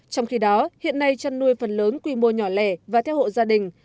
trong khi đó hiện nay chăn nuôi phần lớn quy mô nhỏ lẻ và theo hộ gia đình